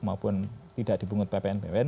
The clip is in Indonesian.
maupun tidak dibungut ppn ppn